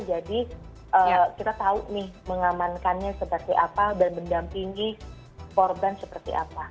jadi kita tahu nih mengamankannya seperti apa dan mendampingi korban seperti apa